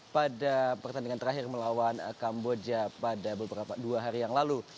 pada pertandingan terakhir melawan kamboja pada beberapa dua hari yang lalu